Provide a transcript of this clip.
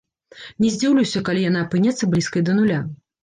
Не здзіўлюся, калі яна апынецца блізкай да нуля.